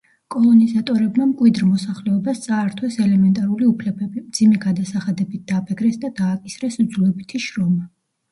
კოლონიზატორებმა მკვიდრ მოსახლეობას წაართვეს ელემენტარული უფლებები; მძიმე გადასახადებით დაბეგრეს და დააკისრეს იძულებითი შრომა.